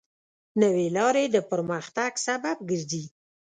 نوې لارې د پرمختګ سبب ګرځي.